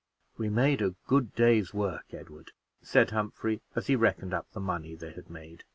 "We made a good day's work, Edward," said Humphrey, as he reckoned up the money they had made.